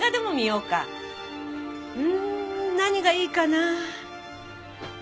うん何がいいかなぁ？